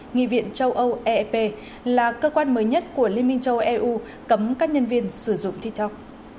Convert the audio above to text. nghị viện châu âu eep là cơ quan mới nhất của liên minh châu eu cấm các nhân viên sử dụng tiktok